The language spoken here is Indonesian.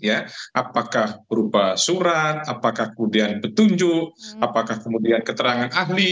apakah berupa surat apakah kemudian petunjuk apakah kemudian keterangan ahli